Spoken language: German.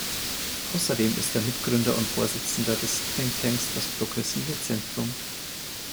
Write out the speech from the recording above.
Außerdem ist er Mitgründer und Vorsitzender des Thinktanks „Das Progressive Zentrum“.